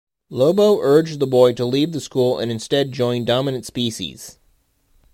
Lobo urged the boy to leave the school and instead join Dominant Species.